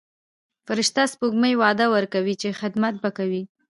فرشته سپوږمۍ وعده ورکوي چې خدمت به کوي.